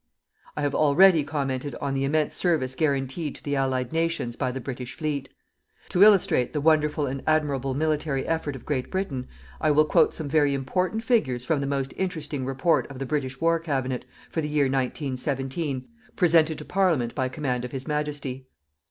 I have already commented on the immense service guaranteed to the Allied nations by the British fleet. To illustrate the wonderful and admirable military effort of Great Britain, I will quote some very important figures from the most interesting Report of the British War Cabinet, for the year 1917, presented to Parliament by Command of His Majesty.